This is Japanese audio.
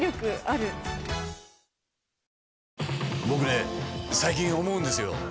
僕ね最近思うんですよ。